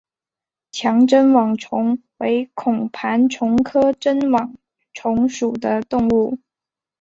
强针网虫为孔盘虫科针网虫属的动物。